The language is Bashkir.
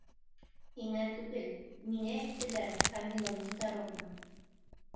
Һиңә түгел, миңә әйттеләр, Камила Мөхтәровна!